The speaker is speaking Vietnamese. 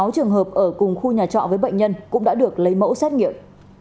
sáu trường hợp ở cùng khu nhà trọ với bệnh nhân cũng đã được lấy mẫu xét nghiệm